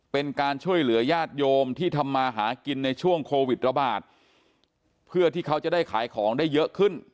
เป็นการช่วยเหลือญาติโยมที่ทำมาหากินในช่วงโควิดระบาดเพื่อที่เขาจะได้ขายของได้เยอะขึ้น